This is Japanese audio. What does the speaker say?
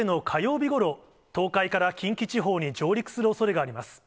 日ごろ、東海から近畿地方に上陸するおそれがあります。